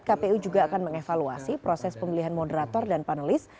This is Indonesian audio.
kpu juga akan mengevaluasi proses pemilihan moderator dan panelis